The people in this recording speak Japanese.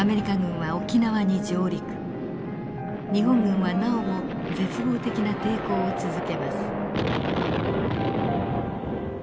日本軍はなおも絶望的な抵抗を続けます。